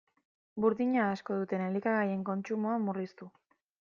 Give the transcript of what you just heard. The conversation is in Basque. Burdina asko duten elikagaien kontsumoa murriztu.